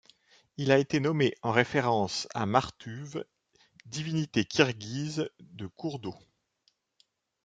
Elle a été nommée en référence à Martuv, divinité kirghize de cours d'eau.